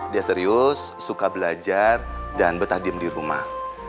dia serius suka belajar dan betah diem di rumah